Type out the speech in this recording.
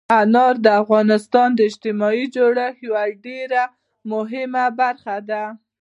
انار د افغانستان د اجتماعي جوړښت یوه ډېره مهمه برخه ده.